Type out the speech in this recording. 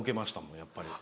やっぱり。